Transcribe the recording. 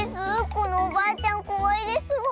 このおばあちゃんこわいですわ。